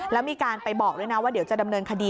แล้วมีการไปบอกด้วยนะว่าเดี๋ยวจะดำเนินคดี